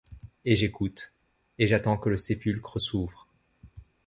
Et j'écoute ; et j'attends que le sépulcre's'ouvre.